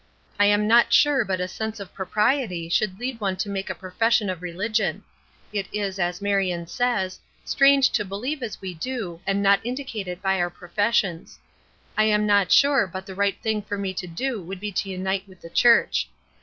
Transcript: I am not sure but a sense of propriety should lead one to make a profession of religion. It is, as Marion says, strange to believe as we do and not indicate it by our professions. I am not sure but the right thing for me to do would be to unite with the church.